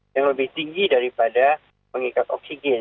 yang lebih tinggi daripada mengikat oksigen